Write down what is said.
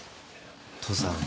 父さん。